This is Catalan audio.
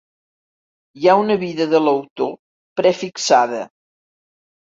Hi ha una vida de l'autor prefixada.